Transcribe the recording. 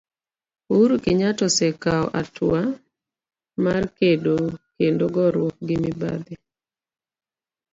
Uhuru Kenyatta osekao atua mar kedo kendo goruok gi mibadhi.